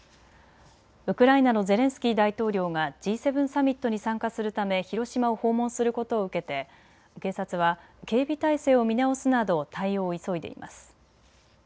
ウクライナのゼレンスキー大統領がＧ７サミットに参加するため広島を訪問することを受けて警察は警備態勢を見直すなど対応を急いでいます。